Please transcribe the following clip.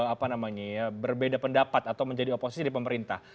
apa namanya ya berbeda pendapat atau menjadi oposisi di pemerintah